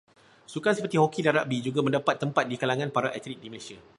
Sukan seperti hoki dan ragbi juga mendapat tempat di kalangan para atlit di Malaysia.